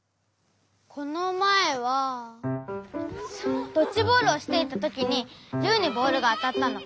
このまえはドッジボールをしていたときにユウにボールがあたったの。